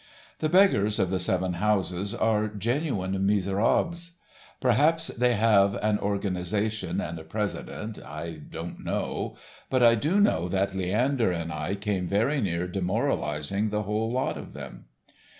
The beggars of the Seven Houses are genuine miserables. Perhaps they have an organisation and a president, I don't know. But I do know that Leander and I came very near demoralising the whole lot of them.